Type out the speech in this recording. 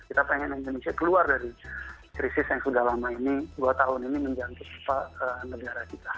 kita pengen indonesia keluar dari krisis yang sudah lama ini dua tahun ini menjangkit negara kita